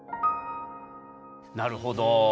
なるほど。